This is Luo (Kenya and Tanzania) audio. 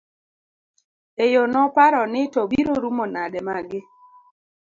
e yo noparo ni to biro rumo nade magi